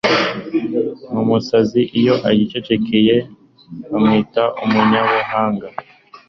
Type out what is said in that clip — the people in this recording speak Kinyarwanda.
N’umusazi iyo yicecekeye bamwita umunyabuhanga